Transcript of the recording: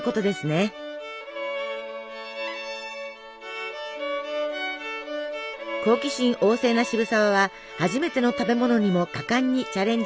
好奇心旺盛な渋沢は初めての食べ物にも果敢にチャレンジしていました。